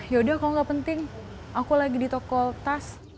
yaudah kalau nggak penting aku lagi ditokol tas